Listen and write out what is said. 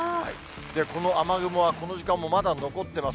この雨雲はこの時間もまだ残ってます。